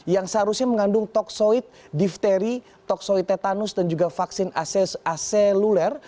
yang seharusnya mengandung toksoid diphteri toksoid tetanus dan juga vaksin acellular